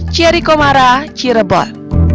ciri komara cirebon